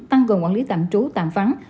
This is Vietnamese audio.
tăng gồm quản lý tạm trú tạm phán